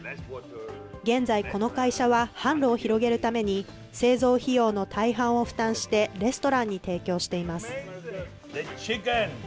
現在、この会社は販路を広げるために製造費用の大半を負担して、レストランに提供しています。